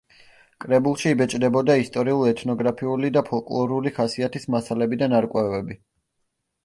კრებულში იბეჭდებოდა ისტორიულ-ეთნოგრაფიული და ფოლკლორული ხასიათის მასალები და ნარკვევები.